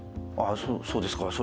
ああそうですか。